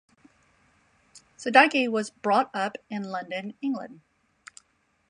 Siddiki was brought up in London, England.